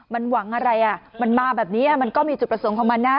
มันหวังอะไรอ่ะมันมาแบบนี้มันก็มีจุดประสงค์ของมันนะ